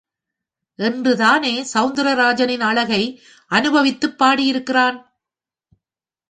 என்றுதானே சௌந்தரராஜனின் அழகை அனுபவித்துப் பாடியிருக்கிறான்.